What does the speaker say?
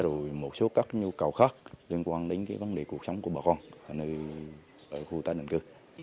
rồi một số các nhu cầu khác liên quan đến cái vấn đề cuộc sống của bà con ở khu tái định cư